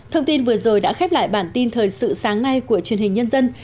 thông tin vừa rồi đã khép lại bản tin thời sự sáng nay của truyền hình nhân dân